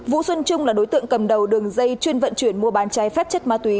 vũ xuân trung là đối tượng cầm đầu đường dây chuyên vận chuyển mua bán trái phép chất ma túy